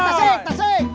tasik tasik tasik